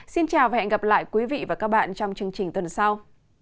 xin chào và hẹn gặp lại quý vị và các bạn trong chương trình tuần sau